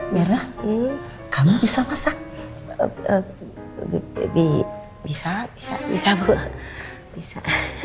merah kamu bisa masak lebih bisa bisa bisa bisa